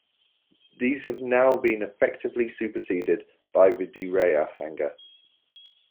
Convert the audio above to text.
These have now been effectively superseded by the derailleur hanger.